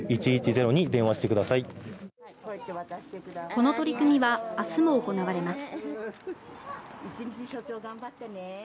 この取り組みはあすも行われます。